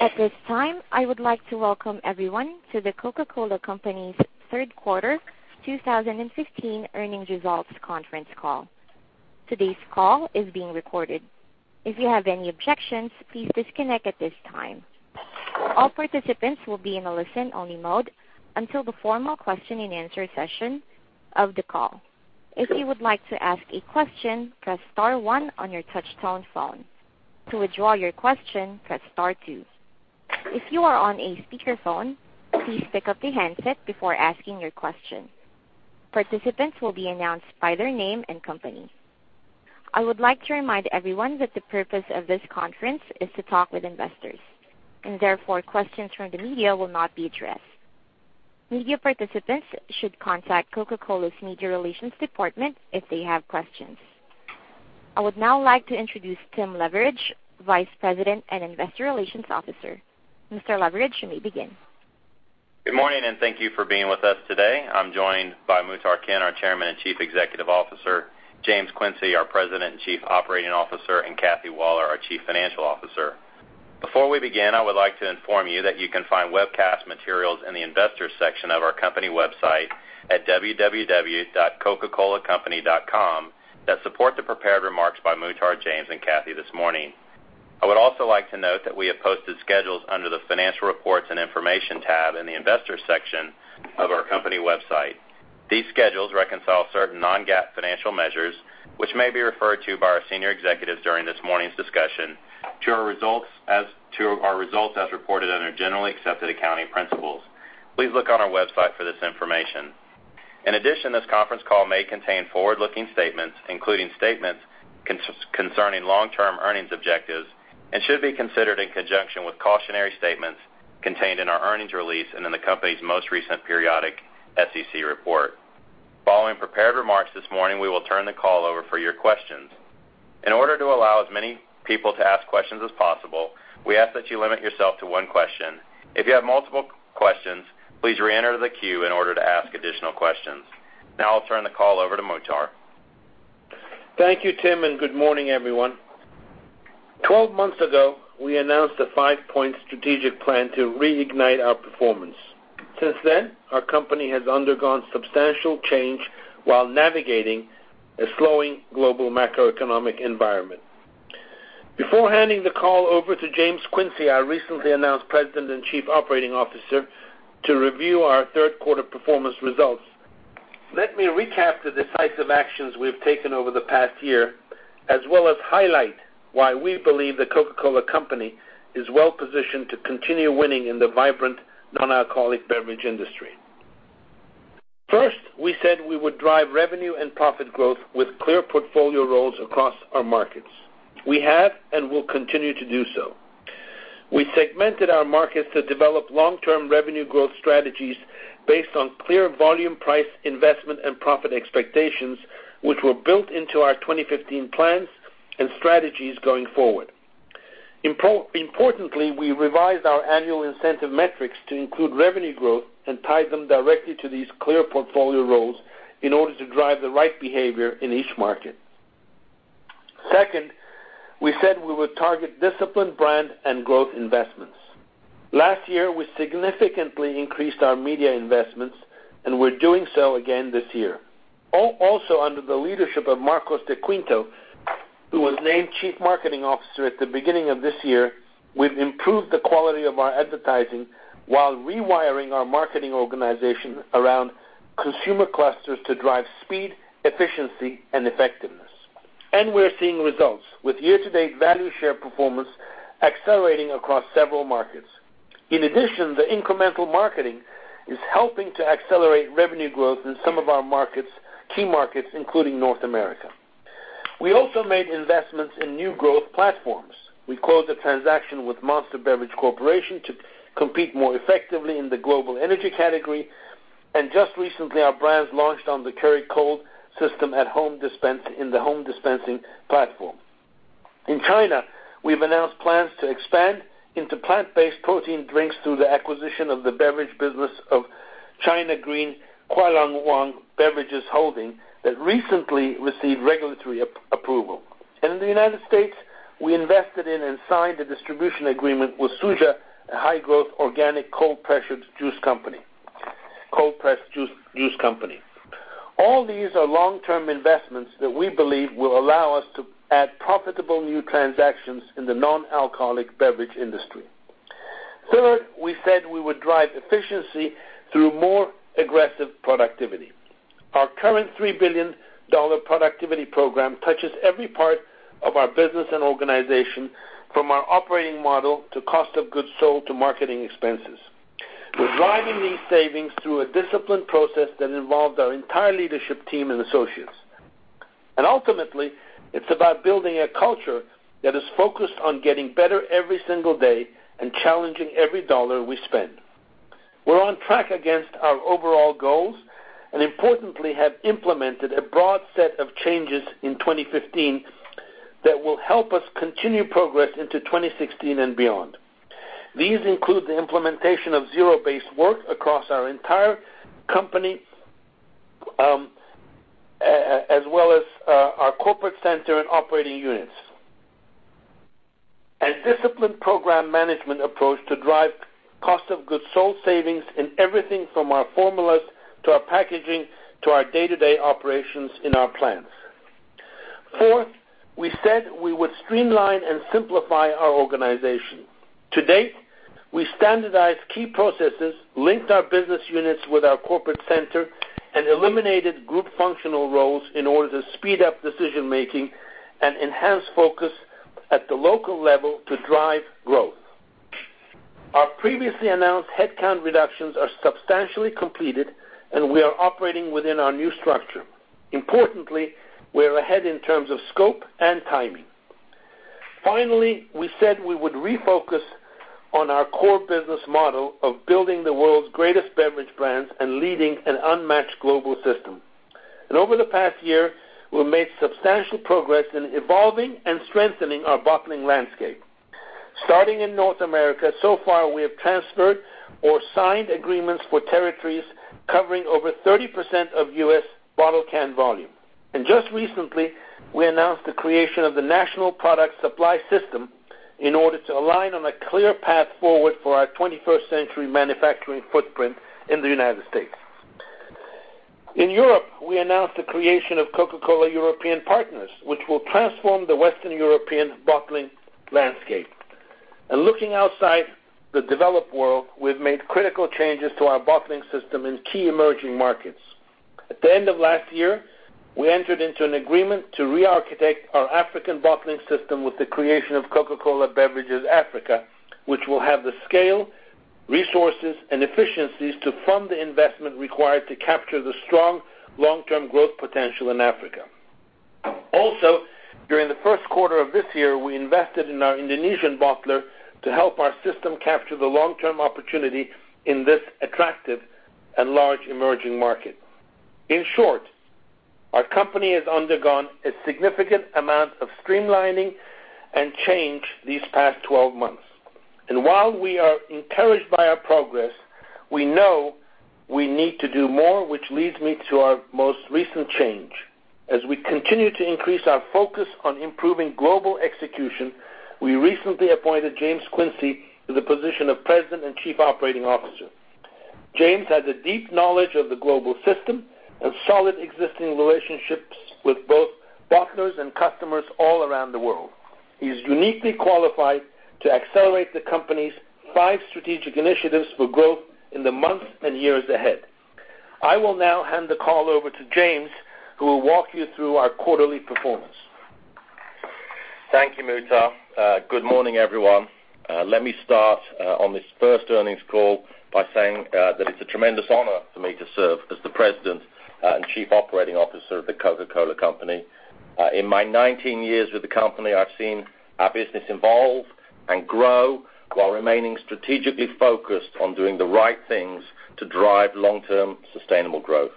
At this time, I would like to welcome everyone to The Coca-Cola Company's third quarter 2015 earnings results conference call. Today's call is being recorded. If you have any objections, please disconnect at this time. All participants will be in a listen-only mode until the formal question-and-answer session of the call. If you would like to ask a question, press star one on your touchtone phone. To withdraw your question, press star two. If you are on a speakerphone, please pick up the handset before asking your question. Participants will be announced by their name and company. I would like to remind everyone that the purpose of this conference is to talk with investors. Therefore, questions from the media will not be addressed. Media participants should contact Coca-Cola's media relations department if they have questions. I would now like to introduce Tim Leveridge, Vice President and Investor Relations Officer. Mr. Leveridge, you may begin. Good morning, and thank you for being with us today. I'm joined by Muhtar Kent, our Chairman and Chief Executive Officer, James Quincey, our President and Chief Operating Officer, and Kathy Waller, our Chief Financial Officer. Before we begin, I would like to inform you that you can find webcast materials in the investors section of our company website at www.cocacolacompany.com that support the prepared remarks by Muhtar, James, and Kathy this morning. I would also like to note that we have posted schedules under the financial reports and information tab in the investors section of our company website. These schedules reconcile certain non-GAAP financial measures, which may be referred to by our senior executives during this morning's discussion to our results as reported under generally accepted accounting principles. Please look on our website for this information. In addition, this conference call may contain forward-looking statements, including statements concerning long-term earnings objectives, and should be considered in conjunction with cautionary statements contained in our earnings release and in the company's most recent periodic SEC report. Following prepared remarks this morning, we will turn the call over for your questions. In order to allow as many people to ask questions as possible, we ask that you limit yourself to one question. If you have multiple questions, please re-enter the queue in order to ask additional questions. Now I'll turn the call over to Muhtar. Thank you, Tim, and good morning, everyone. 12 months ago, we announced a five-point strategic plan to reignite our performance. Since then, our company has undergone substantial change while navigating a slowing global macroeconomic environment. Before handing the call over to James Quincey, our recently announced President and Chief Operating Officer, to review our third quarter performance results, let me recap the decisive actions we've taken over the past year, as well as highlight why we believe The Coca-Cola Company is well positioned to continue winning in the vibrant non-alcoholic beverage industry. First, we said we would drive revenue and profit growth with clear portfolio roles across our markets. We have and will continue to do so. We segmented our markets to develop long-term revenue growth strategies based on clear volume, price, investment, and profit expectations, which were built into our 2015 plans and strategies going forward. Importantly, we revised our annual incentive metrics to include revenue growth and tied them directly to these clear portfolio roles in order to drive the right behavior in each market. Second, we said we would target disciplined brand and growth investments. Last year, we significantly increased our media investments, and we're doing so again this year. Also, under the leadership of Marcos de Quinto, who was named Chief Marketing Officer at the beginning of this year, we've improved the quality of our advertising while rewiring our marketing organization around consumer clusters to drive speed, efficiency, and effectiveness. We're seeing results. With year-to-date value share performance accelerating across several markets. In addition, the incremental marketing is helping to accelerate revenue growth in some of our key markets, including North America. We also made investments in new growth platforms. We closed a transaction with Monster Beverage Corporation to compete more effectively in the global energy category. Just recently, our brands launched on the Keurig Kold system in the home dispensing platform. In China, we've announced plans to expand into plant-based protein drinks through the acquisition of the beverage business of China Culiangwang Beverages Holdings Ltd that recently received regulatory approval. In the U.S., we invested in and signed a distribution agreement with Suja, a high-growth, organic, cold-pressed juice company. All these are long-term investments that we believe will allow us to add profitable new transactions in the non-alcoholic beverage industry. Third, we said we would drive efficiency through more aggressive productivity. Our current $3 billion productivity program touches every part of our business and organization, from our operating model to cost of goods sold to marketing expenses. We're driving these savings through a disciplined process that involved our entire leadership team and associates. Ultimately, it's about building a culture that is focused on getting better every single day and challenging every dollar we spend. We're on track against our overall goals, and importantly, have implemented a broad set of changes in 2015 that will help us continue progress into 2016 and beyond. These include the implementation of zero-based work across our entire company as well as our corporate center and operating units. A disciplined program management approach to drive cost of goods sold savings in everything from our formulas, to our packaging, to our day-to-day operations in our plants. Fourth, we said we would streamline and simplify our organization. To date, we standardized key processes, linked our business units with our corporate center, and eliminated group functional roles in order to speed up decision-making and enhance focus at the local level to drive growth. Our previously announced headcount reductions are substantially completed, and we are operating within our new structure. Importantly, we are ahead in terms of scope and timing. Finally, we said we would refocus on our core business model of building the world's greatest beverage brands and leading an unmatched global system. Over the past year, we've made substantial progress in evolving and strengthening our bottling landscape. Starting in North America, so far, we have transferred or signed agreements for territories covering over 30% of U.S. bottle-can volume. Just recently, we announced the creation of the National Product Supply System in order to align on a clear path forward for our 21st century manufacturing footprint in the United States. In Europe, we announced the creation of Coca-Cola European Partners, which will transform the Western European bottling landscape. Looking outside the developed world, we've made critical changes to our bottling system in key emerging markets. At the end of last year, we entered into an agreement to re-architect our African bottling system with the creation of Coca-Cola Beverages Africa, which will have the scale, resources, and efficiencies to fund the investment required to capture the strong long-term growth potential in Africa. During the first quarter of this year, we invested in our Indonesian bottler to help our system capture the long-term opportunity in this attractive and large emerging market. In short, our company has undergone a significant amount of streamlining and change these past 12 months. While we are encouraged by our progress, we know we need to do more, which leads me to our most recent change. As we continue to increase our focus on improving global execution, we recently appointed James Quincey to the position of President and Chief Operating Officer. James has a deep knowledge of the global system and solid existing relationships with both bottlers and customers all around the world. He is uniquely qualified to accelerate the company's five strategic initiatives for growth in the months and years ahead. I will now hand the call over to James, who will walk you through our quarterly performance. Thank you, Muhtar. Good morning, everyone. Let me start on this first earnings call by saying that it's a tremendous honor for me to serve as the President and Chief Operating Officer of The Coca-Cola Company. In my 19 years with the company, I've seen our business evolve and grow while remaining strategically focused on doing the right things to drive long-term sustainable growth.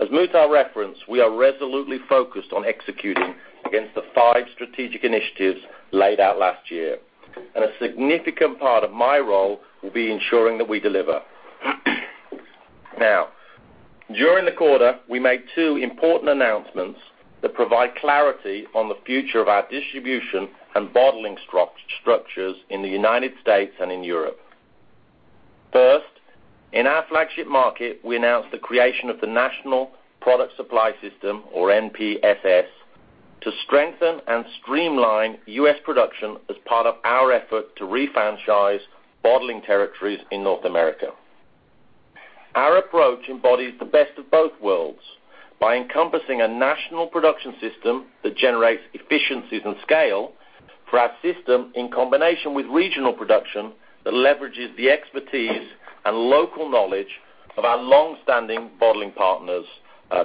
As Muhtar referenced, we are resolutely focused on executing against the five strategic initiatives laid out last year, a significant part of my role will be ensuring that we deliver. During the quarter, we made two important announcements that provide clarity on the future of our distribution and bottling structures in the United States and in Europe. First, in our flagship market, we announced the creation of the National Product Supply System, or NPSS, to strengthen and streamline U.S. production as part of our effort to refranchise bottling territories in North America. Our approach embodies the best of both worlds by encompassing a national production system that generates efficiencies and scale for our system, in combination with regional production that leverages the expertise and local knowledge of our longstanding bottling partners,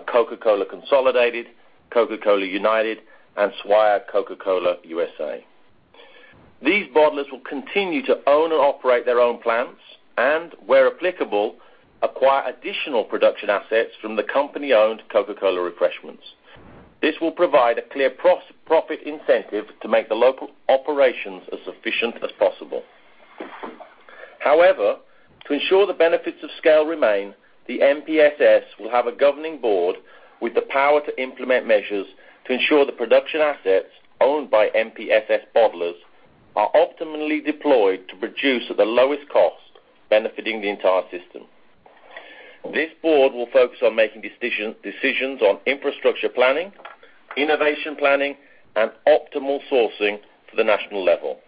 Coca-Cola Consolidated, Coca-Cola United, and Swire Coca-Cola, USA. These bottlers will continue to own and operate their own plants, and where applicable, acquire additional production assets from the company-owned Coca-Cola Refreshments. This will provide a clear profit incentive to make the local operations as efficient as possible. To ensure the benefits of scale remain, the NPSS will have a governing board with the power to implement measures to ensure the production assets owned by NPSS bottlers are optimally deployed to produce at the lowest cost, benefiting the entire system. This board will focus on making decisions on infrastructure planning, innovation planning, and optimal sourcing for the national level.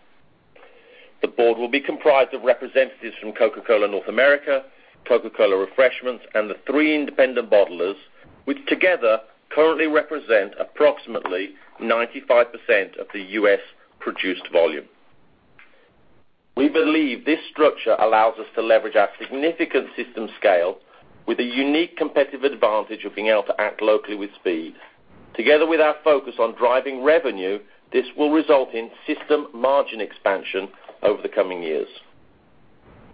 The board will be comprised of representatives from Coca-Cola North America, Coca-Cola Refreshments, and the three independent bottlers, which together currently represent approximately 95% of the U.S.-produced volume. We believe this structure allows us to leverage our significant system scale with the unique competitive advantage of being able to act locally with speed. Together with our focus on driving revenue, this will result in system margin expansion over the coming years.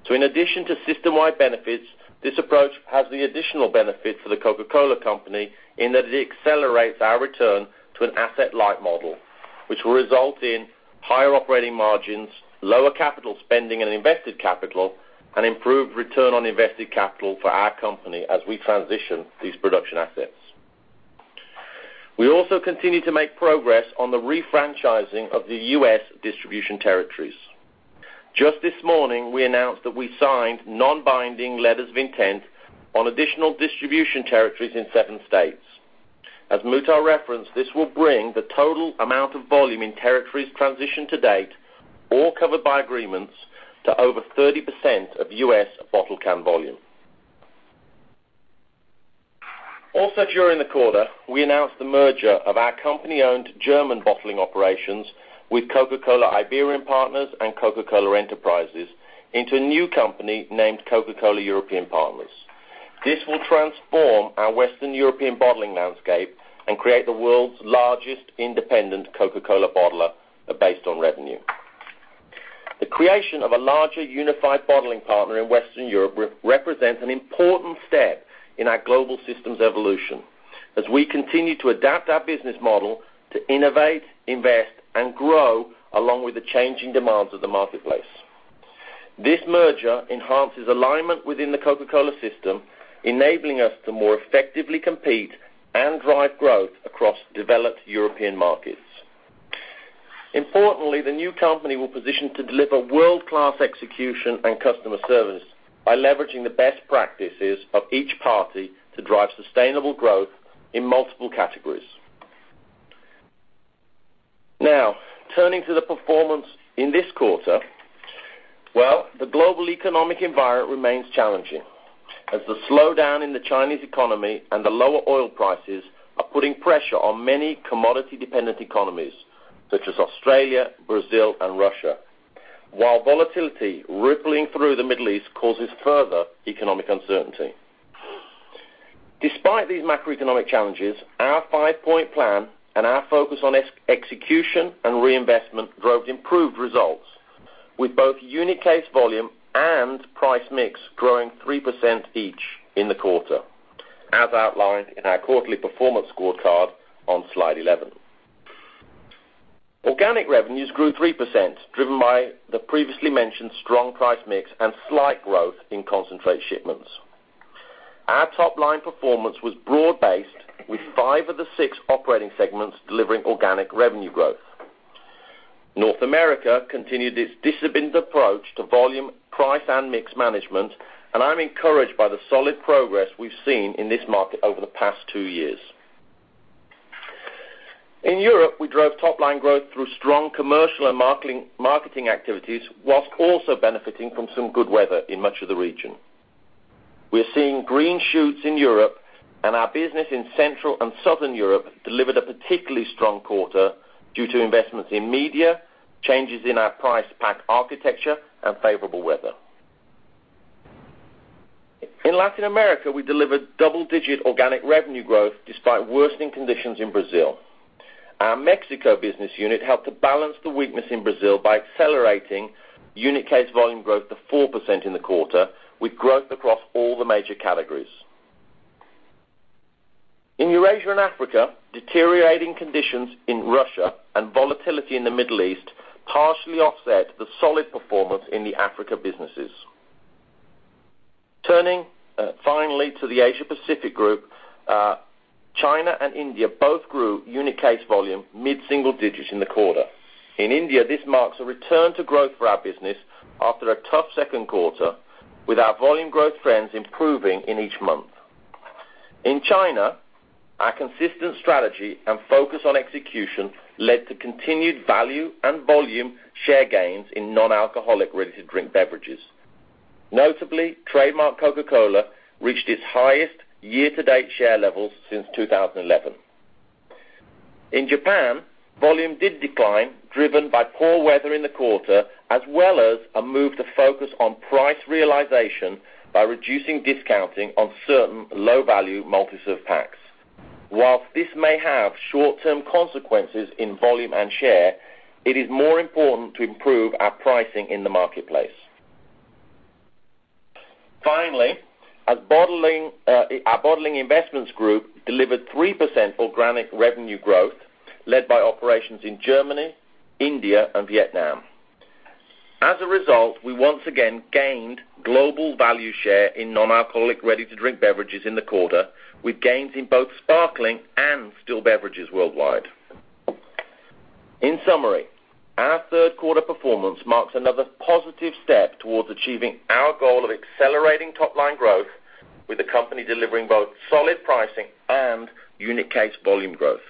In addition to system-wide benefits, this approach has the additional benefit for The Coca-Cola Company in that it accelerates our return to an asset-light model. Which will result in higher operating margins, lower capital spending and invested capital, and improved return on invested capital for our company as we transition these production assets. We also continue to make progress on the refranchising of the U.S. distribution territories. Just this morning, we announced that we signed non-binding letters of intent on additional distribution territories in seven states. As Muhtar referenced, this will bring the total amount of volume in territories transitioned to date, all covered by agreements, to over 30% of U.S. bottle can volume. Also, during the quarter, we announced the merger of our company-owned German bottling operations with Coca-Cola Iberian Partners and Coca-Cola Enterprises into a new company named Coca-Cola European Partners. This will transform our Western European bottling landscape and create the world's largest independent Coca-Cola bottler based on revenue. The creation of a larger, unified bottling partner in Western Europe represents an important step in our global systems evolution as we continue to adapt our business model to innovate, invest, and grow along with the changing demands of the marketplace. This merger enhances alignment within the Coca-Cola system, enabling us to more effectively compete and drive growth across developed European markets. Importantly, the new company will position to deliver world-class execution and customer service by leveraging the best practices of each party to drive sustainable growth in multiple categories. Turning to the performance in this quarter. The global economic environment remains challenging, as the slowdown in the Chinese economy and the lower oil prices are putting pressure on many commodity-dependent economies such as Australia, Brazil, and Russia. While volatility rippling through the Middle East causes further economic uncertainty. Despite these macroeconomic challenges, our five-point plan and our focus on execution and reinvestment drove improved results, with both unit case volume and price mix growing 3% each in the quarter, as outlined in our quarterly performance scorecard on slide 11. Organic revenues grew 3%, driven by the previously mentioned strong price mix and slight growth in concentrate shipments. Our top-line performance was broad-based, with five of the six operating segments delivering organic revenue growth. North America continued its disciplined approach to volume, price, and mix management, and I'm encouraged by the solid progress we've seen in this market over the past two years. In Europe, we drove top-line growth through strong commercial and marketing activities, whilst also benefiting from some good weather in much of the region. We're seeing green shoots in Europe, and our business in Central and Southern Europe delivered a particularly strong quarter due to investments in media, changes in our price pack architecture, and favorable weather. In Latin America, we delivered double-digit organic revenue growth despite worsening conditions in Brazil. Our Mexico business unit helped to balance the weakness in Brazil by accelerating unit case volume growth to 4% in the quarter, with growth across all the major categories. In Eurasia and Africa, deteriorating conditions in Russia and volatility in the Middle East partially offset the solid performance in the Africa businesses. Turning finally to the Asia Pacific Group, China and India both grew unit case volume mid-single digits in the quarter. In India, this marks a return to growth for our business after a tough second quarter, with our volume growth trends improving in each month. In China, our consistent strategy and focus on execution led to continued value and volume share gains in non-alcoholic ready-to-drink beverages. Notably, trademark Coca-Cola reached its highest year-to-date share levels since 2011. In Japan, volume did decline, driven by poor weather in the quarter, as well as a move to focus on price realization by reducing discounting on certain low-value multi-serve packs. Whilst this may have short-term consequences in volume and share, it is more important to improve our pricing in the marketplace. Finally, our Bottling Investments Group delivered 3% organic revenue growth led by operations in Germany, India, and Vietnam. As a result, we once again gained global value share in non-alcoholic ready-to-drink beverages in the quarter, with gains in both sparkling and still beverages worldwide. In summary, our third quarter performance marks another positive step towards achieving our goal of accelerating top-line growth, with the company delivering both solid pricing and unit case volume growth.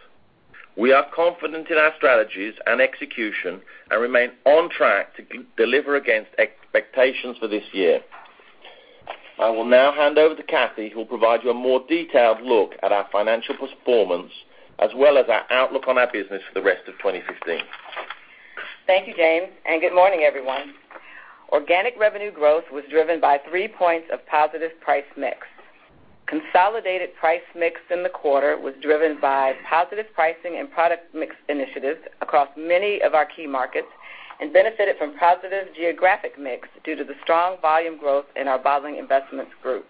We are confident in our strategies and execution and remain on track to deliver against expectations for this year. I will now hand over to Kathy, who will provide you a more detailed look at our financial performance, as well as our outlook on our business for the rest of 2015. Thank you, James, and good morning, everyone. Organic revenue growth was driven by three points of positive price mix. Consolidated price mix in the quarter was driven by positive pricing and product mix initiatives across many of our key markets and benefited from positive geographic mix due to the strong volume growth in our Bottling Investments Group.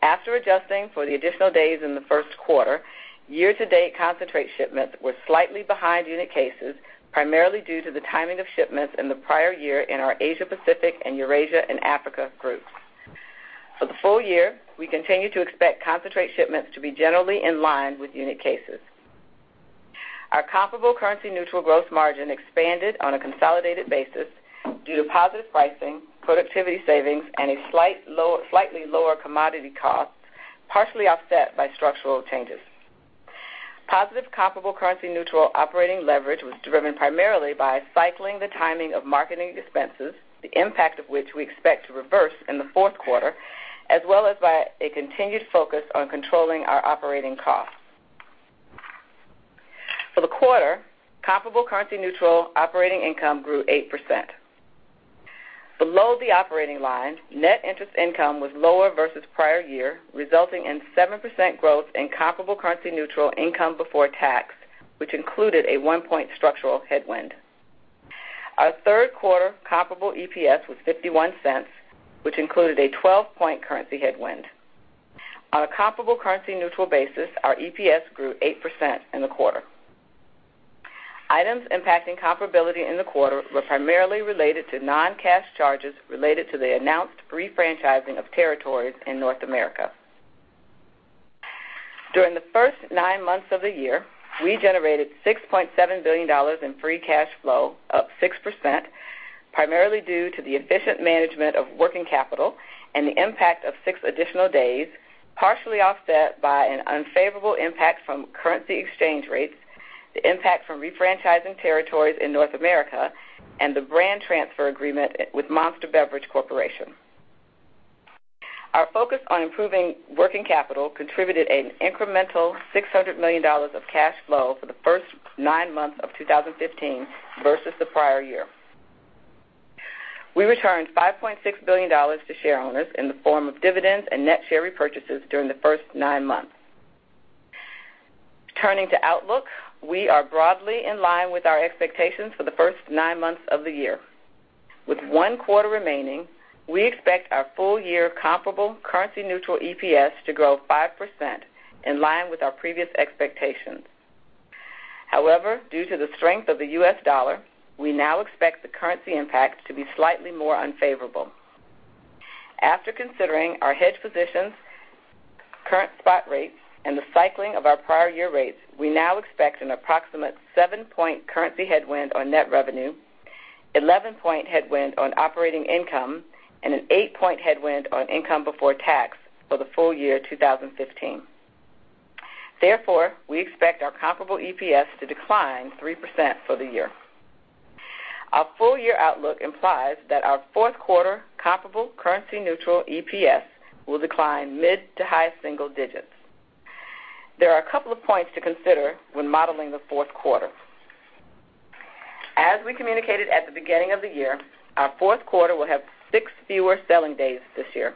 After adjusting for the additional days in the first quarter, year-to-date concentrate shipments were slightly behind unit cases, primarily due to the timing of shipments in the prior year in our Asia Pacific and Eurasia and Africa groups. For the full year, we continue to expect concentrate shipments to be generally in line with unit cases. Our comparable currency neutral gross margin expanded on a consolidated basis due to positive pricing, productivity savings, and a slightly lower commodity cost, partially offset by structural changes. Positive comparable currency neutral operating leverage was driven primarily by cycling the timing of marketing expenses, the impact of which we expect to reverse in the fourth quarter, as well as by a continued focus on controlling our operating costs. For the quarter, comparable currency neutral operating income grew 8%. Below the operating line, net interest income was lower versus prior year, resulting in 7% growth in comparable currency neutral income before tax, which included a one-point structural headwind. Our third quarter comparable EPS was $0.51, which included a 12-point currency headwind. On a comparable currency neutral basis, our EPS grew 8% in the quarter. Items impacting comparability in the quarter were primarily related to non-cash charges related to the announced refranchising of territories in North America. During the first nine months of the year, we generated $6.7 billion in free cash flow, up 6%, primarily due to the efficient management of working capital and the impact of six additional days, partially offset by an unfavorable impact from currency exchange rates, the impact from refranchising territories in North America, and the brand transfer agreement with Monster Beverage Corporation. Our focus on improving working capital contributed an incremental $600 million of cash flow for the first nine months of 2015 versus the prior year. We returned $5.6 billion to share owners in the form of dividends and net share repurchases during the first nine months. Turning to outlook, we are broadly in line with our expectations for the first nine months of the year. With one quarter remaining, we expect our full-year comparable currency neutral EPS to grow 5%, in line with our previous expectations. Due to the strength of the U.S. dollar, we now expect the currency impact to be slightly more unfavorable. After considering our hedge positions, current spot rates, and the cycling of our prior year rates, we now expect an approximate seven-point currency headwind on net revenue, 11-point headwind on operating income, and an eight-point headwind on income before tax for the full year 2015. We expect our comparable EPS to decline 3% for the year. Our full-year outlook implies that our fourth quarter comparable currency neutral EPS will decline mid to high single digits. There are a couple of points to consider when modeling the fourth quarter. As we communicated at the beginning of the year, our fourth quarter will have six fewer selling days this year.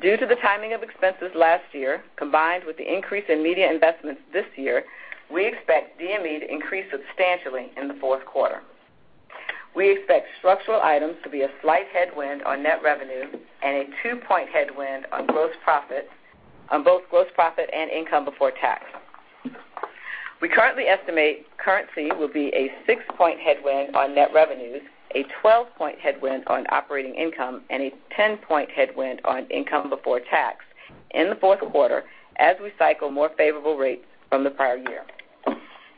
Due to the timing of expenses last year, combined with the increase in media investments this year, we expect DME to increase substantially in the fourth quarter. We expect structural items to be a slight headwind on net revenue and a 2-point headwind on both gross profit and income before tax. We currently estimate currency will be a 6-point headwind on net revenues, a 12-point headwind on operating income, and a 10-point headwind on income before tax in the fourth quarter as we cycle more favorable rates from the prior year.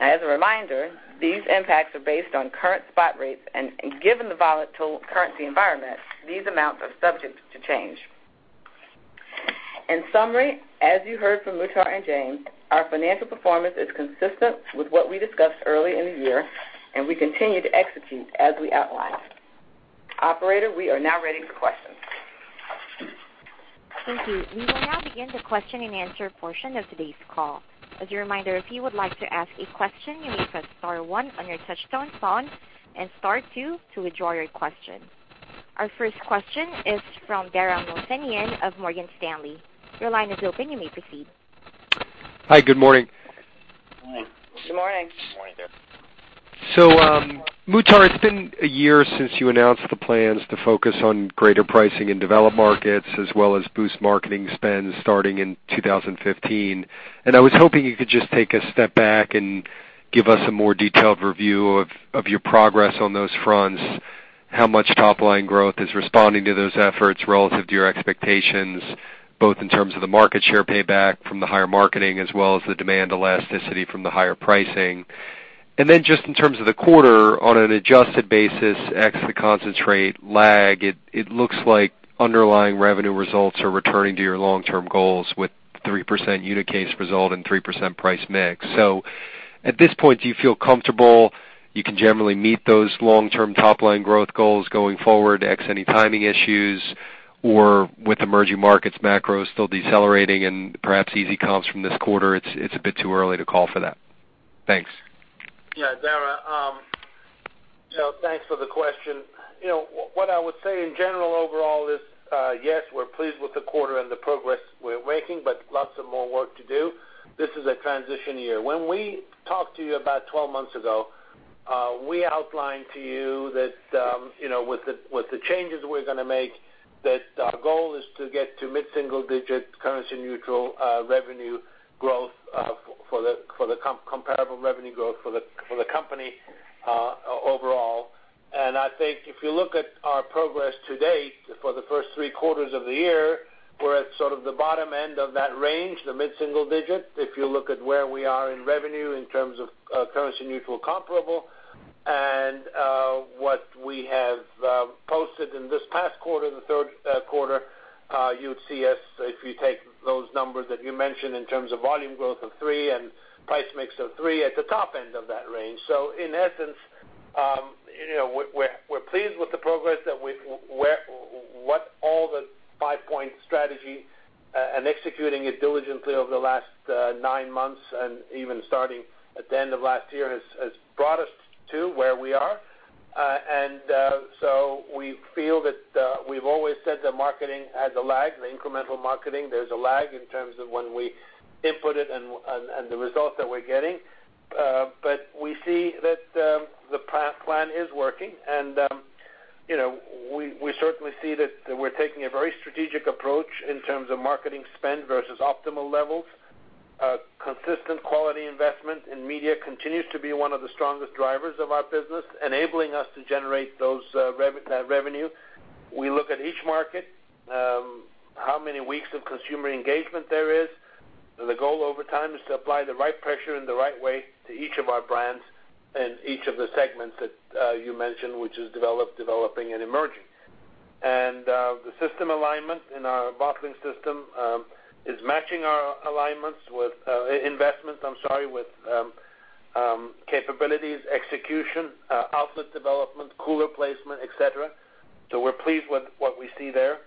As a reminder, these impacts are based on current spot rates, and given the volatile currency environment, these amounts are subject to change. In summary, as you heard from Muhtar and James, our financial performance is consistent with what we discussed early in the year, and we continue to execute as we outlined. Operator, we are now ready for questions. Thank you. We will now begin the question and answer portion of today's call. As a reminder, if you would like to ask a question, you may press star 1 on your touchtone phone and star 2 to withdraw your question. Our first question is from Dara Mohsenian of Morgan Stanley. Your line is open. You may proceed. Hi. Good morning. Good morning. Good morning. Muhtar, it's been a year since you announced the plans to focus on greater pricing in developed markets, as well as boost marketing spends starting in 2015. I was hoping you could just take a step back and give us a more detailed review of your progress on those fronts, how much top-line growth is responding to those efforts relative to your expectations, both in terms of the market share payback from the higher marketing as well as the demand elasticity from the higher pricing. Just in terms of the quarter, on an adjusted basis, ex the concentrate lag, it looks like underlying revenue results are returning to your long-term goals with 3% unit case result and 3% price mix. At this point, do you feel comfortable you can generally meet those long-term top-line growth goals going forward, ex any timing issues, or with emerging markets macro still decelerating and perhaps easy comps from this quarter, it's a bit too early to call for that? Thanks. Dara, thanks for the question. What I would say in general overall is, yes, we're pleased with the quarter and the progress we're making, but lots of more work to do. This is a transition year. When we talked to you about 12 months ago, we outlined to you that with the changes we're going to make, that our goal is to get to mid-single digit currency neutral revenue growth for the comparable revenue growth for the company overall. I think if you look at our progress to date for the first three quarters of the year, we're at sort of the bottom end of that range, the mid-single digit. If you look at where we are in revenue in terms of currency neutral comparable, and what we have posted in this past quarter, the third quarter, you'd see us, if you take those numbers that you mentioned in terms of volume growth of three and price mix of three, at the top end of that range. In essence, we're pleased with the progress that what all the five-point strategy and executing it diligently over the last nine months and even starting at the end of last year has brought us to where we are. We feel that we've always said that marketing has a lag, the incremental marketing, there's a lag in terms of when we input it and the results that we're getting. We see that the plan is working, and we certainly see that we're taking a very strategic approach in terms of marketing spend versus optimal levels. Consistent quality investment in media continues to be one of the strongest drivers of our business, enabling us to generate that revenue. We look at each market, how many weeks of consumer engagement there is. The goal over time is to apply the right pressure in the right way to each of our brands and each of the segments that you mentioned, which is develop, developing, and emerging. The system alignment in our bottling system is matching our investments with capabilities, execution, outlet development, cooler placement, et cetera. We're pleased with what we see there.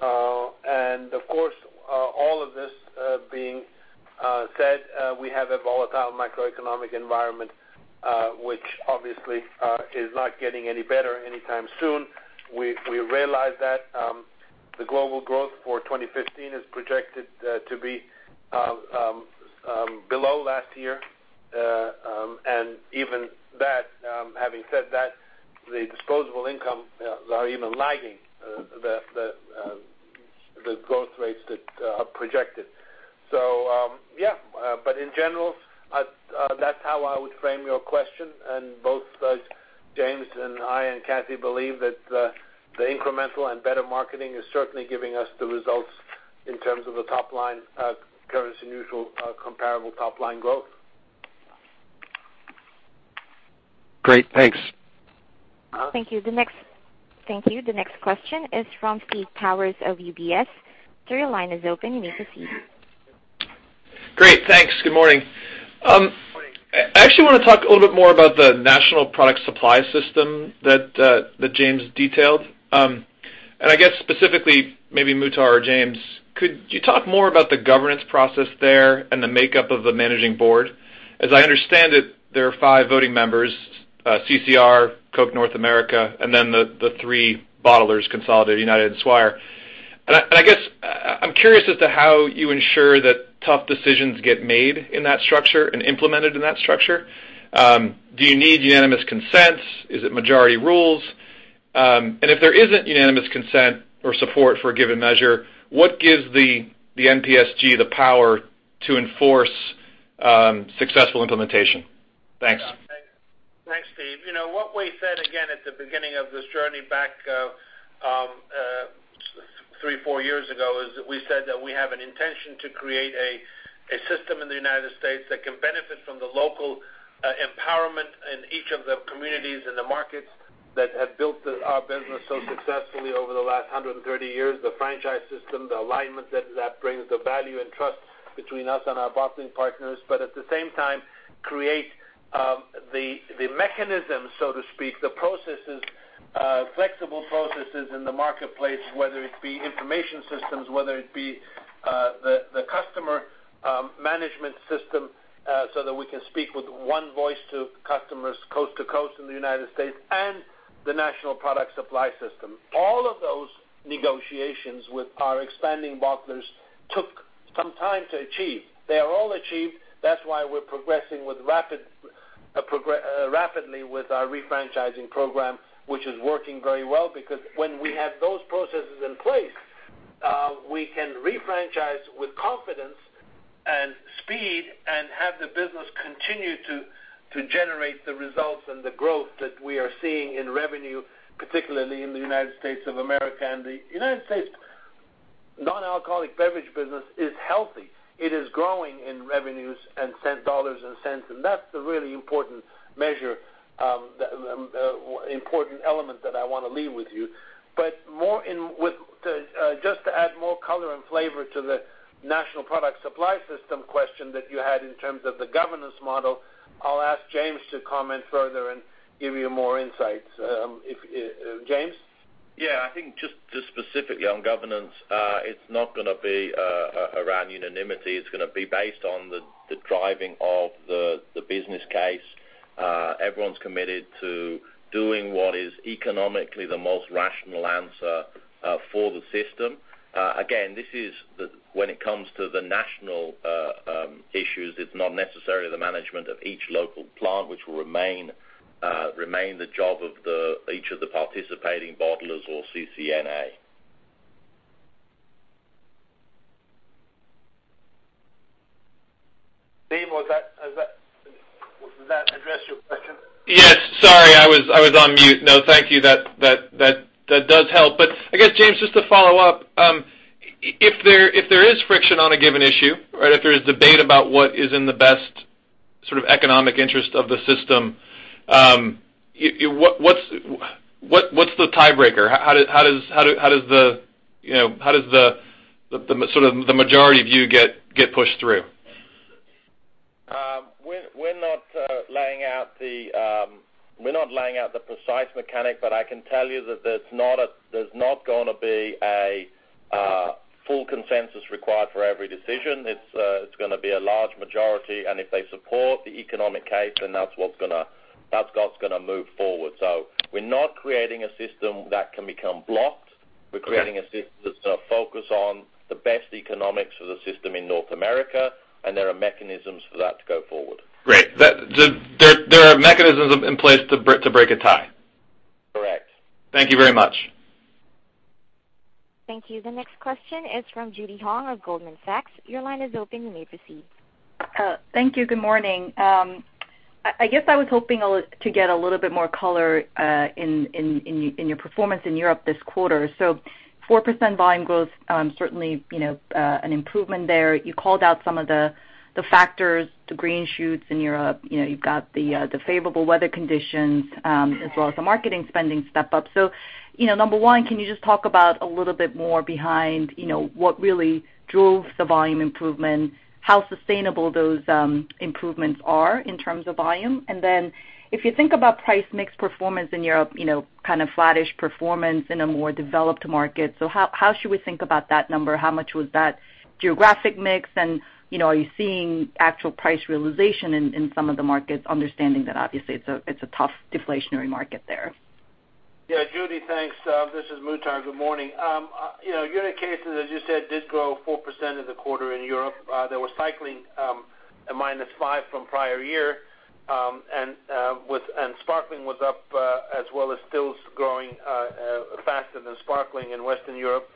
Of course, all of this being said, we have a volatile macroeconomic environment, which obviously is not getting any better anytime soon. We realize that. The global growth for 2015 is projected to be below last year. Even that, having said that, the disposable income are even lagging the growth rates that are projected. In general, that's how I would frame your question. Both James and I and Kathy believe that the incremental and better marketing is certainly giving us the results in terms of the currency neutral comparable top-line growth. Great. Thanks. Thank you. The next question is from Steve Powers of UBS. Sir, your line is open. You may proceed. Great. Thanks. Good morning. I actually want to talk a little bit more about the national product supply system that James detailed. I guess specifically, maybe Muhtar or James, could you talk more about the governance process there and the makeup of the managing board? As I understand it, there are five voting members, CCR, Coke North America, and then the three bottlers, Consolidated, United, and Swire. I guess, I'm curious as to how you ensure that tough decisions get made in that structure and implemented in that structure. Do you need unanimous consent? Is it majority rules? If there isn't unanimous consent or support for a given measure, what gives the NPSS the power to enforce successful implementation? Thanks. Thanks, Steve. What we said, again, at the beginning of this journey back three, four years ago, is we said that we have an intention to create a system in the United States that can benefit from the local empowerment in each of the communities and the markets that have built our business so successfully over the last 130 years, the franchise system, the alignment that brings the value and trust between us and our bottling partners, but at the same time, create the mechanism, so to speak, the processes, flexible processes in the marketplace, whether it be information systems, whether it be the customer management system, so that we can speak with one voice to customers coast to coast in the United States and the national product supply system. All of those negotiations with our expanding bottlers took some time to achieve. They are all achieved. That's why we're progressing rapidly with our refranchising program, which is working very well, because when we have those processes in place, we can refranchise with confidence and speed and have the business continue to generate the results and the growth that we are seeing in revenue, particularly in the United States of America. The United States non-alcoholic beverage business is healthy. It is growing in revenues and dollars and cents, and that's the really important measure, important element that I want to leave with you. Just to add more color and flavor to the National Product Supply System question that you had in terms of the governance model, I'll ask James to comment further and give you more insights. James? Yeah, I think just specifically on governance, it's not going to be around unanimity. It's going to be based on the driving of the business case. Everyone's committed to doing what is economically the most rational answer for the system. Again, this is when it comes to the national issues. It's not necessarily the management of each local plant, which will remain the job of each of the participating bottlers or CCNA. Steve, does that address your question? Yes. Sorry, I was on mute. No, thank you. That does help. I guess, James, just to follow up, if there is friction on a given issue, or if there is debate about what is in the best economic interest of the system, what's the tiebreaker? How does the majority view get pushed through? We're not laying out the precise mechanic, but I can tell you that there's not going to be a full consensus required for every decision. It's going to be a large majority, and if they support the economic case, then that's what's going to move forward. We're not creating a system that can become blocked. We're creating a system that's going to focus on the best economics of the system in North America, and there are mechanisms for that to go forward. Great. There are mechanisms in place to break a tie. Correct. Thank you very much. Thank you. The next question is from Judy Hong of Goldman Sachs. Your line is open. You may proceed. Thank you. Good morning. I guess I was hoping to get a little bit more color in your performance in Europe this quarter. 4% volume growth, certainly, an improvement there. You called out some of the factors, the green shoots in Europe. You've got the favorable weather conditions as well as the marketing spending step up. Number 1, can you just talk about a little bit more behind what really drove the volume improvement, how sustainable those improvements are in terms of volume? If you think about price mix performance in Europe, kind of flattish performance in a more developed market, how should we think about that number? How much was that geographic mix, and are you seeing actual price realization in some of the markets, understanding that obviously it's a tough deflationary market there? Yeah, Judy. Thanks. This is Muhtar. Good morning. Unit cases, as you said, did grow 4% in the quarter in Europe. There was cycling, a minus five from prior year. Sparkling was up, as well as stills growing faster than Sparkling in Western Europe.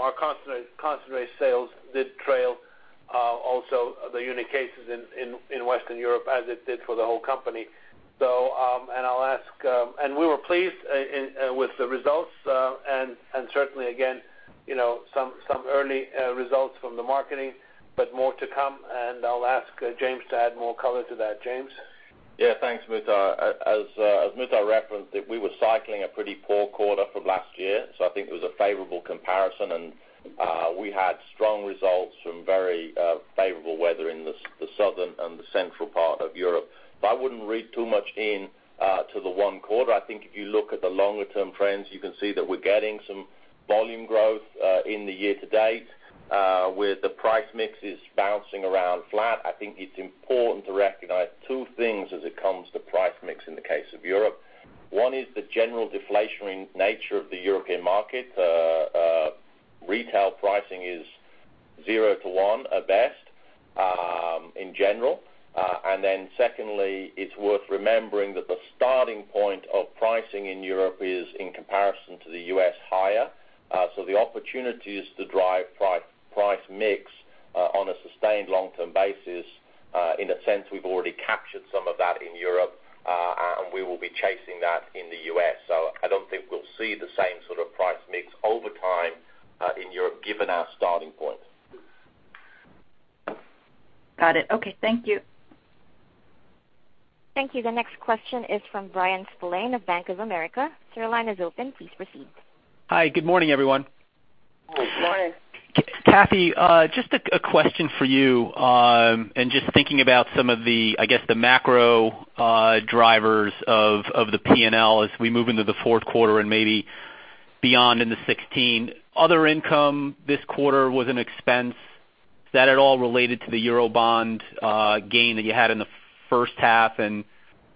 Our concentrate sales did trail also the unit cases in Western Europe as it did for the whole company. We were pleased with the results, and certainly, again, some early results from the marketing, but more to come, and I'll ask James to add more color to that. James? Yeah. Thanks, Muhtar. As Muhtar referenced, we were cycling a pretty poor quarter from last year, I think it was a favorable comparison, we had strong results from very favorable weather in the southern and the central part of Europe. I wouldn't read too much into the one quarter. I think if you look at the longer-term trends, you can see that we're getting some volume growth in the year-to-date. Where the price mix is bouncing around flat, I think it's important to recognize two things as it comes to price mix in the case of Europe. One is the general deflationary nature of the European market. Retail pricing is zero to one at best in general. Secondly, it's worth remembering that the starting point of pricing in Europe is, in comparison to the U.S., higher. The opportunities to drive price mix on a sustained long-term basis, in a sense, we've already captured some of that in Europe, and we will be chasing that in the U.S. I don't think we'll see the same sort of price mix over time in Europe given our starting point. Got it. Okay. Thank you. Thank you. The next question is from Bryan Spillane of Bank of America. Sir, your line is open. Please proceed. Hi. Good morning, everyone. Good morning. Kathy, just a question for you, and just thinking about some of the, I guess, the macro drivers of the P&L as we move into the fourth quarter and maybe beyond in 2016. Other income this quarter was an expense. Is that at all related to the Eurobond gain that you had in the first half, and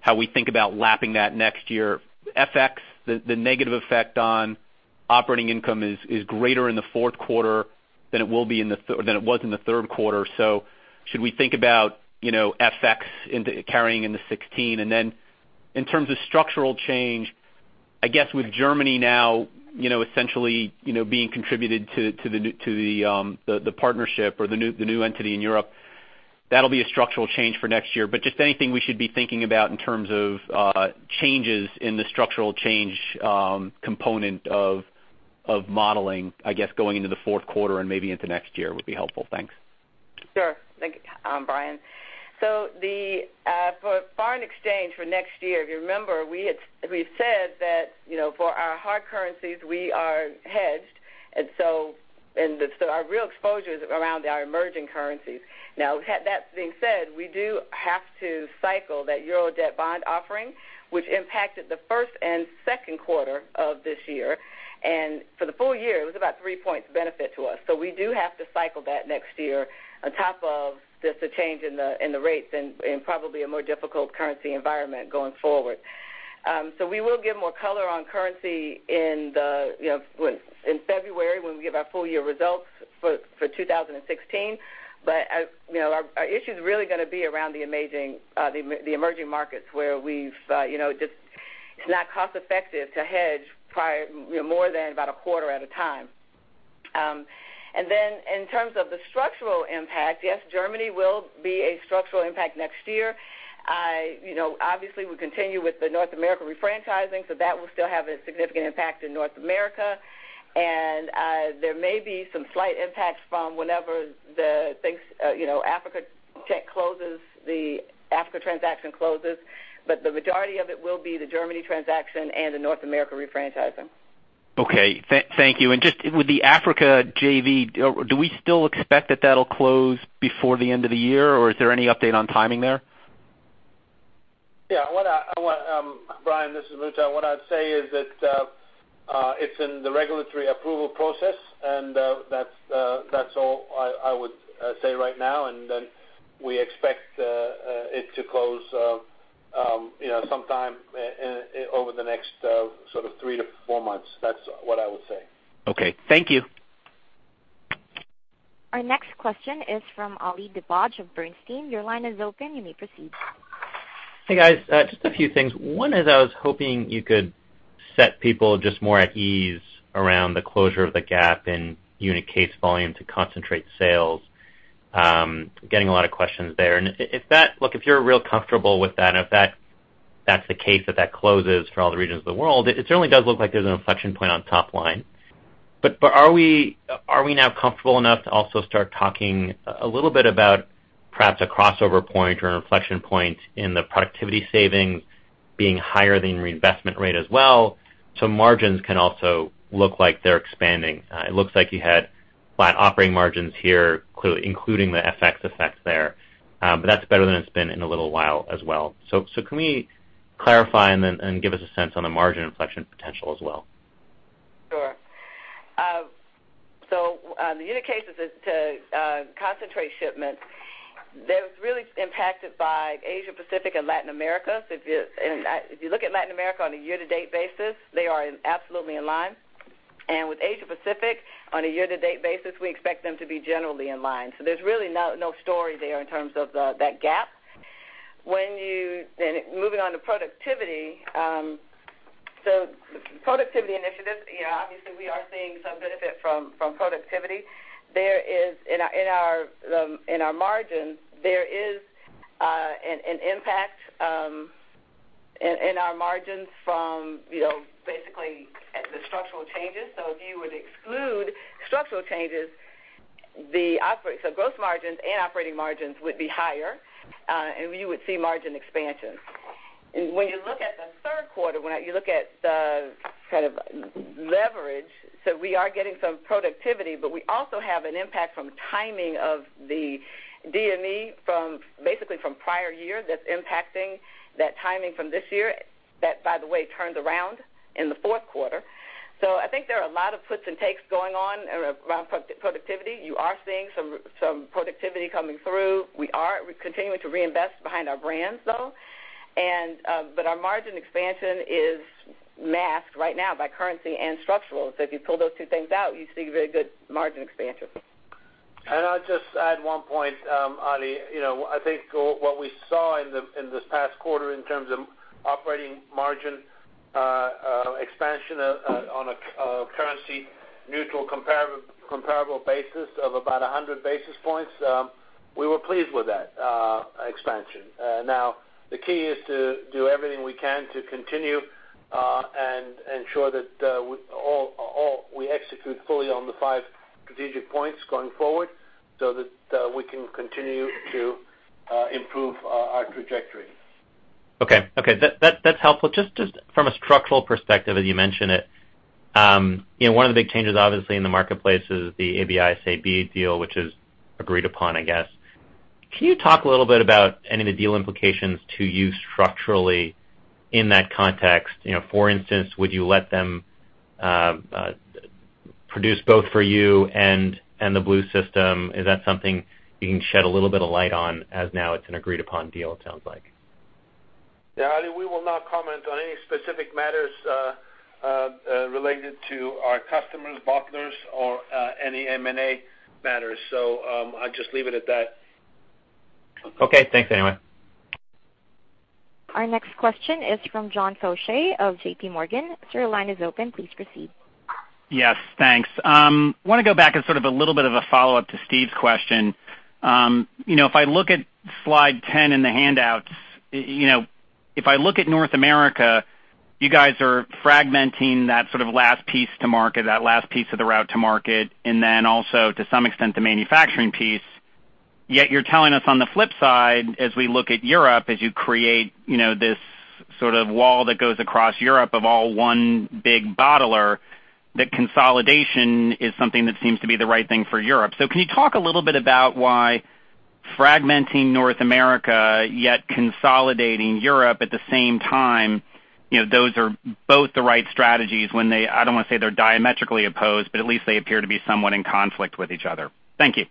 how we think about lapping that next year? FX, the negative effect on operating income is greater in the fourth quarter than it was in the third quarter. Should we think about FX carrying in 2016? In terms of structural change, I guess with Germany now essentially being contributed to the partnership or the new entity in Europe, that'll be a structural change for next year, but just anything we should be thinking about in terms of changes in the structural change component of modeling, I guess, going into the fourth quarter and maybe into next year would be helpful. Thanks. Sure. Thank you, Bryan. For foreign exchange for next year, if you remember, we said that for our hard currencies, we are hedged, our real exposure is around our emerging currencies. That being said, we do have to cycle that Eurobond offering, which impacted the first and second quarter of this year. For the full year, it was about three points benefit to us. We do have to cycle that next year on top of just the change in the rates and probably a more difficult currency environment going forward. We will give more color on currency in February when we give our full-year results for 2016. Our issue's really going to be around the emerging markets where it's not cost effective to hedge more than about a quarter at a time. In terms of the structural impact, yes, Germany will be a structural impact next year. Obviously, we continue with the North America refranchising, so that will still have a significant impact in North America. There may be some slight impacts from whenever the Africa transaction closes. The majority of it will be the Germany transaction and the North America refranchising. Okay, thank you. Just with the Africa JV, do we still expect that that'll close before the end of the year, or is there any update on timing there? Bryan, this is Muhtar. What I'd say is that it's in the regulatory approval process, that's all I would say right now. We expect it to close sometime over the next sort of three to four months. That's what I would say. Okay, thank you. Our next question is from Ali Dibadj of Bernstein. Your line is open. You may proceed. Hey, guys. Just a few things. One is I was hoping you could set people just more at ease around the closure of the gap in unit case volume to concentrate sales. Getting a lot of questions there. If you're real comfortable with that, and if that's the case that that closes for all the regions of the world, it certainly does look like there's an inflection point on top line. Are we now comfortable enough to also start talking a little bit about perhaps a crossover point or an inflection point in the productivity savings being higher than reinvestment rate as well, so margins can also look like they're expanding? It looks like you had flat operating margins here, including the FX effects there. That's better than it's been in a little while as well. Can we clarify and give us a sense on the margin inflection potential as well? Sure. The unit cases to concentrate shipments, that was really impacted by Asia Pacific and Latin America. If you look at Latin America on a year-to-date basis, they are absolutely in line. With Asia Pacific, on a year-to-date basis, we expect them to be generally in line. There's really no story there in terms of that gap. Moving on to productivity. Productivity initiatives, obviously we are seeing some benefit from productivity. In our margins, there is an impact in our margins from basically the structural changes. If you would exclude structural changes, so gross margins and operating margins would be higher, and you would see margin expansion. When you look at the third quarter, when you look at the kind of leverage, we are getting some productivity, but we also have an impact from timing of the DME basically from prior year that's impacting that timing from this year. That, by the way, turns around in the fourth quarter. I think there are a lot of puts and takes going on around productivity. You are seeing some productivity coming through. We're continuing to reinvest behind our brands, though. Our margin expansion is masked right now by currency and structural. If you pull those two things out, you see very good margin expansion. I'll just add one point, Ali. I think what we saw in this past quarter in terms of operating margin expansion on a currency neutral comparable basis of about 100 basis points, we were pleased with that expansion. The key is to do everything we can to continue and ensure that we execute fully on the five strategic points going forward so that we can continue to improve our trajectory. Okay. That's helpful. Just from a structural perspective, as you mention it, one of the big changes, obviously, in the marketplace is the AB InBev deal, which is agreed upon, I guess. Can you talk a little bit about any of the deal implications to you structurally in that context? For instance, would you let them produce both for you and the Blue system? Is that something you can shed a little bit of light on as now it's an agreed-upon deal, it sounds like. Yeah, Ali, we will not comment on any specific matters related to our customers, bottlers, or any M&A matters. I'll just leave it at that. Okay. Thanks anyway. Our next question is from John Faucher of JPMorgan. Sir, your line is open. Please proceed. Thanks. Want to go back as sort of a little bit of a follow-up to Steve's question. If I look at slide 10 in the handouts, if I look at North America, you guys are fragmenting that sort of last piece to market, that last piece of the route to market, and then also, to some extent, the manufacturing piece. Yet you're telling us on the flip side, as we look at Europe, as you create this sort of wall that goes across Europe of all one big bottler, that consolidation is something that seems to be the right thing for Europe. Can you talk a little bit about why fragmenting North America, yet consolidating Europe at the same time, those are both the right strategies when they, I don't want to say they're diametrically opposed, but at least they appear to be somewhat in conflict with each other. Thank you.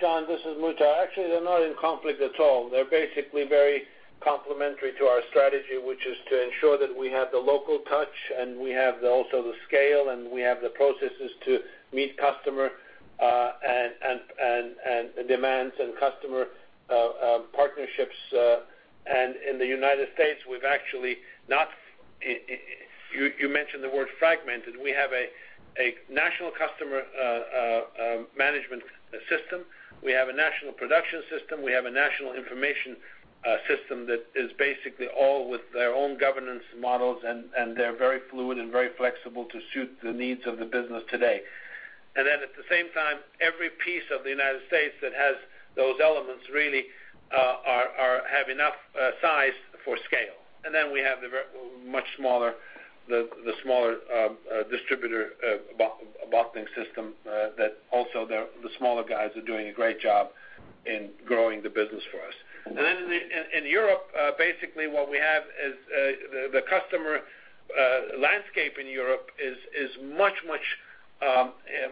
John, this is Muhtar. Actually, they're not in conflict at all. They're basically very complementary to our strategy, which is to ensure that we have the local touch, and we have also the scale, and we have the processes to meet customer demands and customer partnerships. In the U.S., you mentioned the word fragmented. We have a national customer management system. We have a national production system. We have a national information system that is basically all with their own governance models, and they're very fluid and very flexible to suit the needs of the business today. At the same time, every piece of the U.S. that has those elements really have enough size for scale. We have the much smaller distributor bottling system that also the smaller guys are doing a great job in growing the business for us. In Europe, basically what we have is the customer landscape in Europe is much, much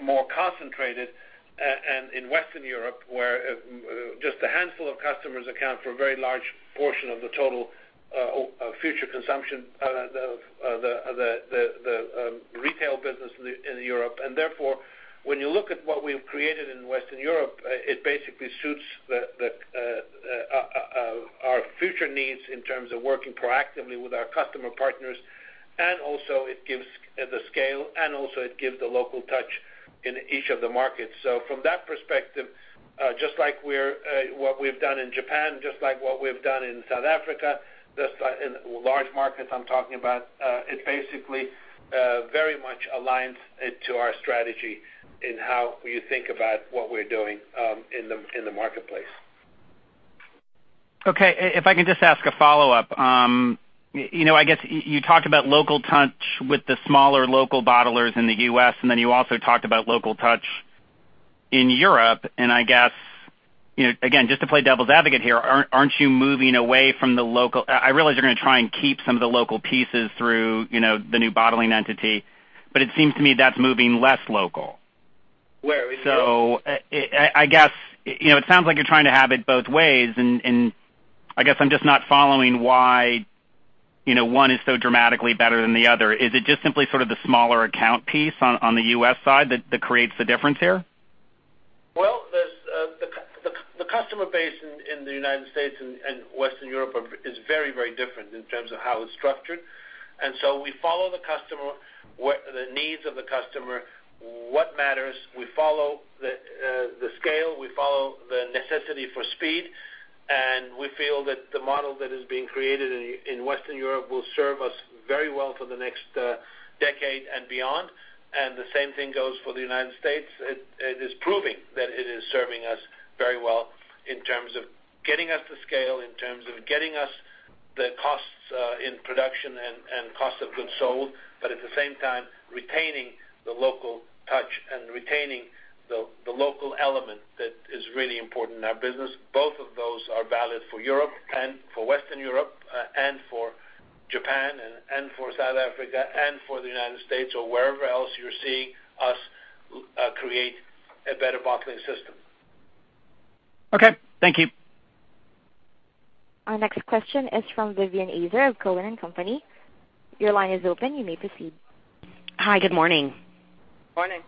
more concentrated. In Western Europe, where just a handful of customers account for a very large portion of the total future consumption of the retail business in Europe. Therefore, when you look at what we've created in Western Europe, it basically suits our future needs in terms of working proactively with our customer partners. Also it gives the scale, and also it gives the local touch in each of the markets. From that perspective, just like what we've done in Japan, just like what we've done in South Africa, in large markets I'm talking about, it basically very much aligns to our strategy in how you think about what we're doing in the marketplace. Okay, if I can just ask a follow-up. I guess you talked about local touch with the smaller local bottlers in the U.S., and then you also talked about local touch in Europe. I guess, again, just to play devil's advocate here, aren't you moving away from the local I realize you're going to try and keep some of the local pieces through the new bottling entity, but it seems to me that's moving less local. Where, in Europe? I guess it sounds like you're trying to have it both ways, and I guess I'm just not following why one is so dramatically better than the other. Is it just simply sort of the smaller account piece on the U.S. side that creates the difference here? Well, the customer base in the United States and Western Europe is very, very different in terms of how it's structured. We follow the customer, the needs of the customer, what matters. We follow the scale. We follow the necessity for speed. We feel that the model that is being created in Western Europe will serve us very well for the next decade and beyond. The same thing goes for the United States. It is proving that it is serving us very well in terms of getting us the scale, in terms of getting us the costs in production and cost of goods sold, but at the same time, retaining the local touch and retaining the local element that is really important in our business. Both of those are valid for Europe and for Western Europe and for Japan and for South Africa and for the United States or wherever else you're seeing us create a better bottling system. Okay. Thank you. Our next question is from Vivian Azer of Cowen and Company. Your line is open. You may proceed. Hi, good morning. Morning.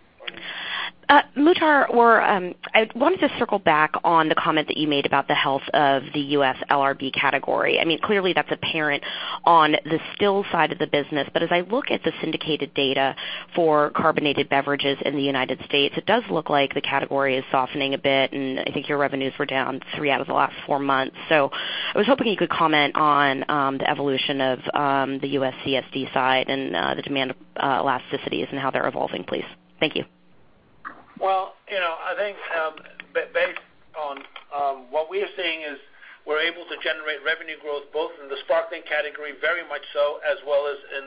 Muhtar, I wanted to circle back on the comment that you made about the health of the U.S. LRB category. Clearly that's apparent on the still side of the business, but as I look at the syndicated data for carbonated beverages in the United States, it does look like the category is softening a bit, and I think your revenues were down three out of the last four months. I was hoping you could comment on the evolution of the U.S. CSD side and the demand elasticities and how they're evolving, please. Thank you. Well, I think based on what we are seeing is we're able to generate revenue growth both in the sparkling category very much so, as well as in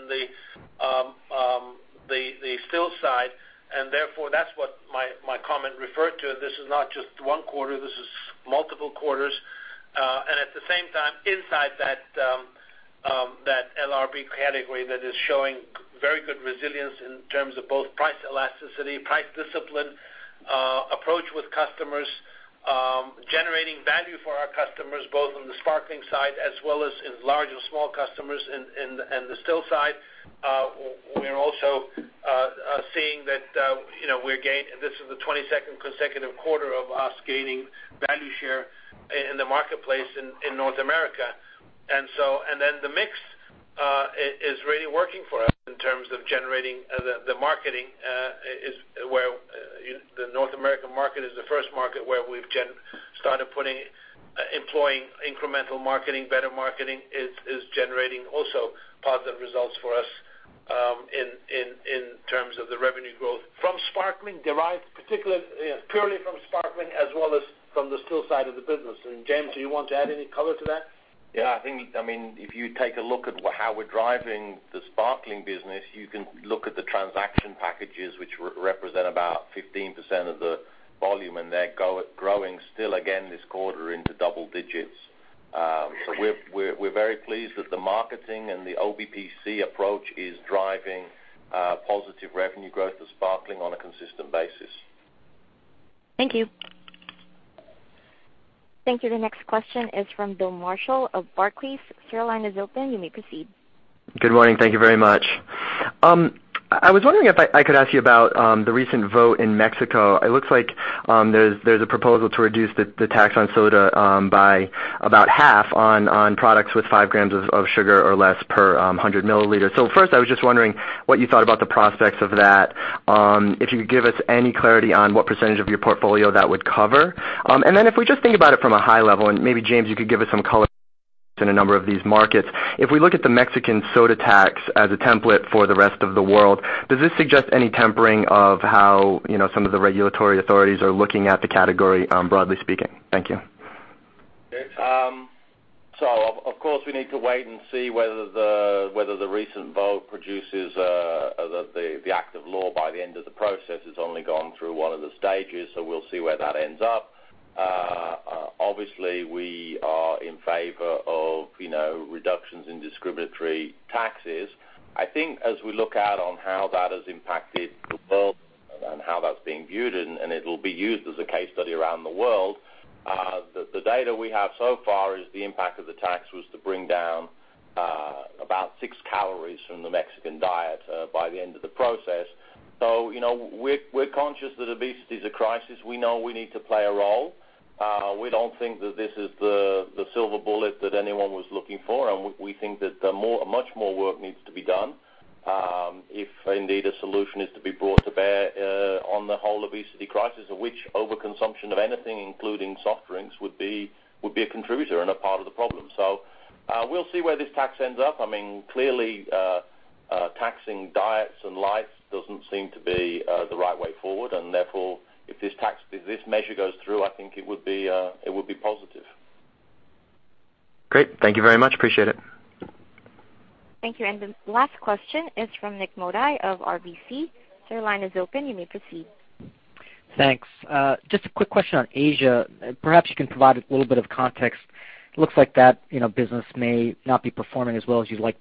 the still side. Therefore, that's what my comment referred to. This is not just one quarter, this is multiple quarters. At the same time, inside that LRB category that is showing very good resilience in terms of both price elasticity, price discipline, approach with customers, generating value for our customers, both on the sparkling side as well as in large or small customers in the still side. We're also seeing that this is the 22nd consecutive quarter of us gaining value share in the marketplace in North America. The mix is really working for us in terms of generating the marketing. The North American market is the first market where we've started employing incremental marketing. Better marketing is generating also positive results for us in terms of the revenue growth from sparkling derived, purely from sparkling as well as from the still side of the business. James, do you want to add any color to that? Yeah, if you take a look at how we're driving the sparkling business, you can look at the transaction packages, which represent about 15% of the volume, and they're growing still again this quarter into double digits. We're very pleased that the marketing and the OBPC approach is driving positive revenue growth for sparkling on a consistent basis. Thank you. Thank you. The next question is from Bill Marshall of Barclays. Your line is open. You may proceed. Good morning. Thank you very much. I was wondering if I could ask you about the recent vote in Mexico. It looks like there's a proposal to reduce the tax on soda by about half on products with five grams of sugar or less per 100 milliliters. First, I was just wondering what you thought about the prospects of that. If you could give us any clarity on what percentage of your portfolio that would cover. Then if we just think about it from a high level, and maybe, James, you could give us some color in a number of these markets. If we look at the Mexican soda tax as a template for the rest of the world, does this suggest any tempering of how some of the regulatory authorities are looking at the category, broadly speaking? Thank you. Of course, we need to wait and see whether the recent vote produces the act of law by the end of the process. It's only gone through 1 of the stages, we'll see where that ends up. Obviously, we are in favor of reductions in discriminatory taxes. I think as we look out on how that has impacted the world and how that's being viewed, and it'll be used as a case study around the world, the data we have so far is the impact of the tax was to bring down about six calories from the Mexican diet by the end of the process. We're conscious that obesity is a crisis. We know we need to play a role. We don't think that this is the silver bullet that anyone was looking for, and we think that much more work needs to be done, if indeed a solution is to be brought to bear on the whole obesity crisis, of which overconsumption of anything, including soft drinks, would be a contributor and a part of the problem. We'll see where this tax ends up. Clearly, taxing diets and life doesn't seem to be the right way forward, and therefore, if this measure goes through, I think it would be positive. Great. Thank you very much. Appreciate it. Thank you. The last question is from Nik Modi of RBC. Your line is open. You may proceed. Thanks. Just a quick question on Asia. Perhaps you can provide a little bit of context. It looks like that business may not be performing as well as you'd like,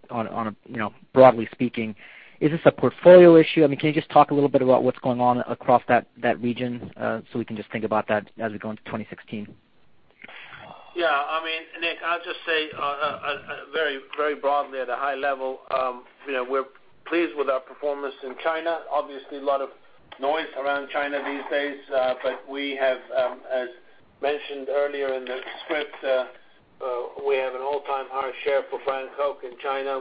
broadly speaking. Is this a portfolio issue? Can you just talk a little bit about what's going on across that region so we can just think about that as we go into 2016? Yeah. Nik, I'll just say very broadly at a high level, we're pleased with our performance in China. Obviously, a lot of noise around China these days, but as mentioned earlier in the script, we have an all-time high share for Coke in China.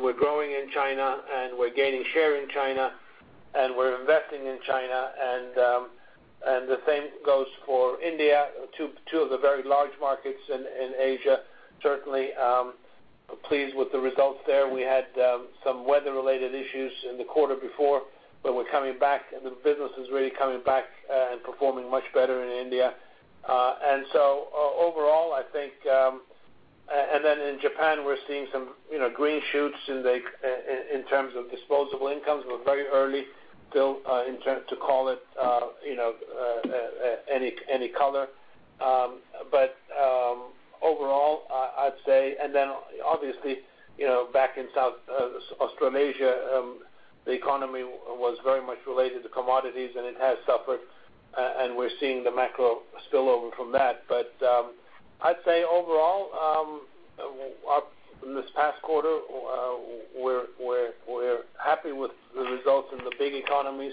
We're growing in China, and we're gaining share in China, and we're investing in China. The same goes for India, two of the very large markets in Asia. Certainly, pleased with the results there. We had some weather-related issues in the quarter before, but we're coming back, and the business is really coming back and performing much better in India. Then in Japan, we're seeing some green shoots in terms of disposable incomes. We're very early still to call it any color. Obviously, back in Australasia, the economy was very much related to commodities, and it has suffered, and we're seeing the macro spillover from that. I'd say overall, in this past quarter, we're happy with the results in the big economies,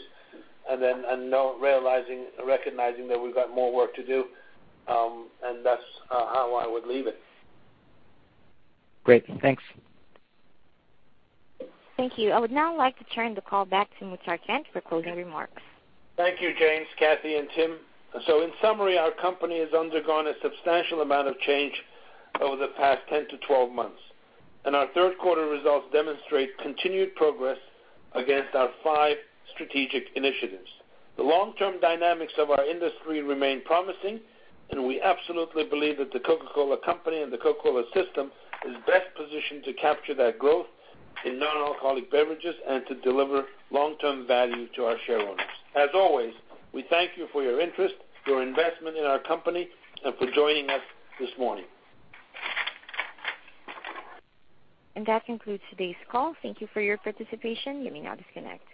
and then recognizing that we've got more work to do, and that's how I would leave it. Great. Thanks. Thank you. I would now like to turn the call back to Muhtar Kent for closing remarks. Thank you, James, Kathy, and Tim. In summary, our company has undergone a substantial amount of change over the past 10-12 months, and our third quarter results demonstrate continued progress against our five strategic initiatives. The long-term dynamics of our industry remain promising, and we absolutely believe that The Coca-Cola Company and the Coca-Cola system is best positioned to capture that growth in non-alcoholic beverages and to deliver long-term value to our shareowners. As always, we thank you for your interest, your investment in our company, and for joining us this morning. That concludes today's call. Thank you for your participation. You may now disconnect.